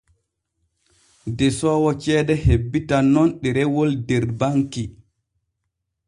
Desoowo ceede hebbitan nun ɗerewol der banki.